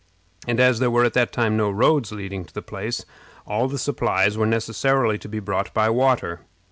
And as there were at that time no roads leading to the place, all the supplies were necessarily to be brought by water.